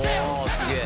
すげえ！」